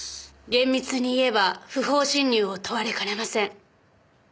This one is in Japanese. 厳密に言えば不法侵入を問われかねません。